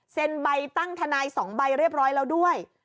ใบตั้งทนาย๒ใบเรียบร้อยแล้วด้วย